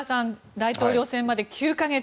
大統領選まで９か月。